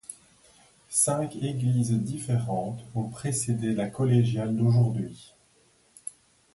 Cinq églises différentes ont précédé la collégiale d'aujourd'hui.